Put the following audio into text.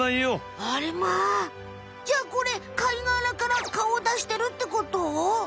あれまじゃあこれ貝がらからかおをだしてるってこと？